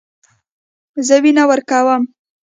زه وینه ورکوم.